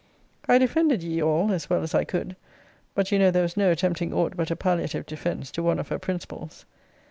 I defended ye all as well as I could: but you know there was no attempting aught but a palliative defence, to one of her principles.